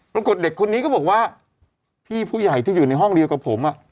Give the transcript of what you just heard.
เด็กคนนี้ก็บอกว่าพี่ผู้ใหญ่ที่อยู่ในห้องเดียวกับผม